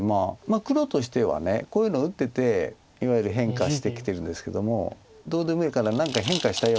黒としてはこういうの打ってていわゆる変化してきてるんですけどもどうでもいいから何か変化したいわけですよね